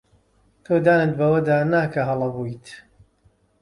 تۆ دانت بەوەدا نا کە هەڵە بوویت.